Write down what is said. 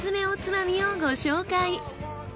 おつまみをご紹介。